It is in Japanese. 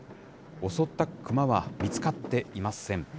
襲った熊は見つかっていません。